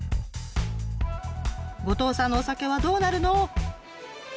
後藤さんのお酒はどうなるの？